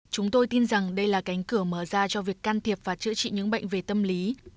chúng tôi tin rằng đây là cánh cửa mở ra cho việc can thiệp và chữa trị những bệnh về tâm lý